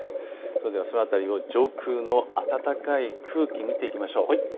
それではその辺りを上空の暖かい空気、見ていきましょう。